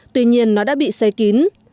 tuy nhiên nó đã bị xây kín